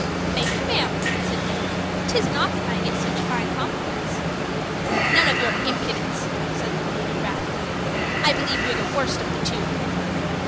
"Thank you, ma'am," said Dick. "'Tisn't often I get such fine compliments." "None of your impudence," said the lady, wrathfully. "I believe you're the worst of the two."